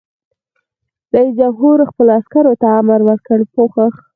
رئیس جمهور خپلو عسکرو ته امر وکړ؛ پوښښ!